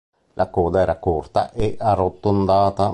La coda era corta e arrotondata.